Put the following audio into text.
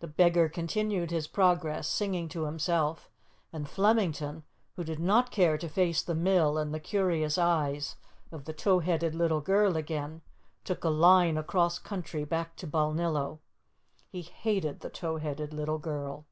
The beggar continued his progress, singing to himself, and Flemington, who did not care to face the mill and the curious eyes of the tow headed little girl again, took a line across country back to Balnillo. He hated the tow headed little girl.